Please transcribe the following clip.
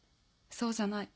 そうじゃない。